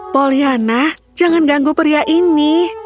poliana jangan ganggu pria ini